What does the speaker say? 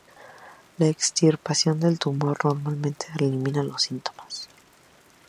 La extirpación del tumor normalmente elimina los síntomas.